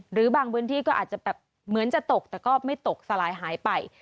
หรือบางพื้นที่ก็อาจจะแบบเหมือนจะตกแต่ก็ไม่ตกสลายหายไป